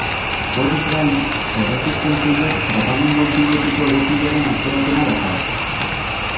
Horrez gain, erresistentziak tratamendu antibiotiko egokiaren atzerapena dakar.